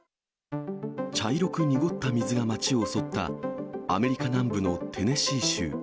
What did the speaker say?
茶色く濁った水が町を襲った、アメリカ南部のテネシー州。